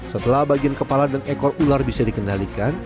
setelah bagian kepala dan ekor ular bisa dikendalikan